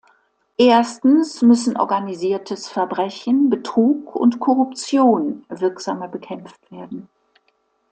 Erstens müssen organisiertes Verbrechen, Betrug und Korruption wirksamer bekämpft werden.